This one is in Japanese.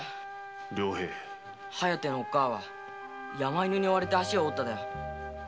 「疾風」のおっ母は山犬に追われて脚を折っただ。